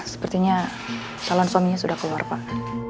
sepertinya calon suaminya sudah keluar pak